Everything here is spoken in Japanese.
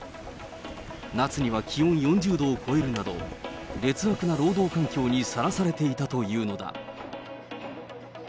夏には気温４０度を超えるなど、劣悪な労働環境にさらされていたというのだ。